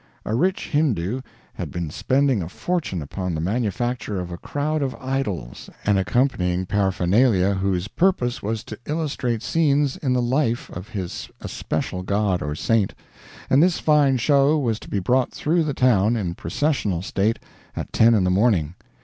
A rich Hindoo had been spending a fortune upon the manufacture of a crowd of idols and accompanying paraphernalia whose purpose was to illustrate scenes in the life of his especial god or saint, and this fine show was to be brought through the town in processional state at ten in the morning.